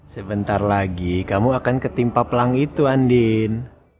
sebentar lagi kamu akan ketimpa pelang itu andin